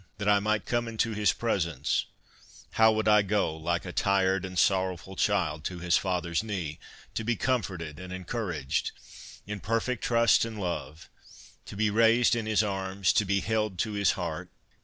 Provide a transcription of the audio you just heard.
that I might come into His pres ence !' How would I go, like a tired and sorrowful child to his father's knee., to be comforted and encouraged, in perfect trust and love, to be raised in His arms, to be held to His heart